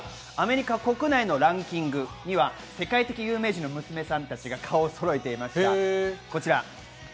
国内のランキングには世界的有名人の娘さんたちが顔をそろえています。